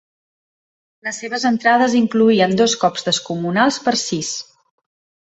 Les seves entrades incloïen dos cops descomunals per sis.